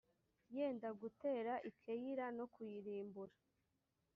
yenda gutera i keyila no kuyirimbura